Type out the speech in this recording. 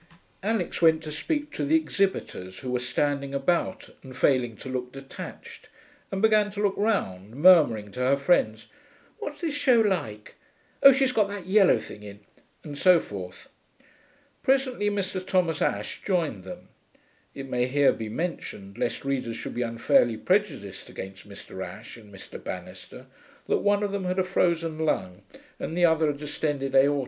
Alix went to speak to the exhibitors, who were standing about and failing to look detached, and began to look round, murmuring to her friends, 'What's the show like?... Oh, she's got that yellow thing in...' and so forth. Presently Mr. Thomas Ashe joined them. (It may here be mentioned, lest readers should be unfairly prejudiced against Mr. Ashe and Mr. Banister, that one of them had a frozen lung and the other a distended aorta.